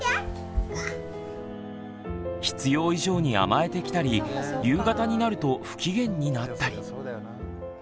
必要以上に甘えてきたり夕方になると不機嫌になったり。